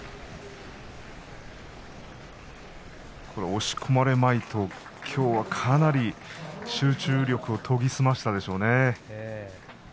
押し込まれまいときょうはかなり集中力を研ぎ澄ませたでしょうね。